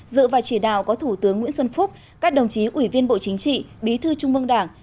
dự và chỉ đạo có thủ tướng nguyễn xuân phúc các đồng chí ủy viên bộ chính trị bí thư trung mương đảng